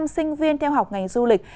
một mươi sinh viên theo học ngành du lịch